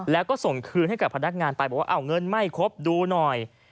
แล้วก็ส่งคืนให้กับพนักงานไปบอกว่าอ้าวเงินไม่ครบดูหน่อย